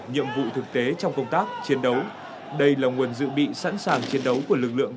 nhiệm vụ thực tế trong công tác chiến đấu đây là nguồn dự bị sẵn sàng chiến đấu của lực lượng